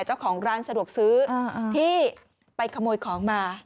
เจ้าของร้านสะดวกซื้อที่ไปขโมยของมา